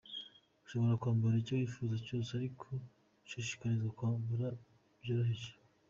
Ushobora kwambara icyo wifuza cyose ariko ushishikarizwa kwambara byoroheje.